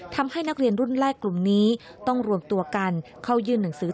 ทำให้นักเรียนรุ่นแรกกลุ่มนี้ต้องรวมตัวกันเข้ายื่นหนังสือ